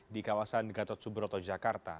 di kawasan gatot subroto jakarta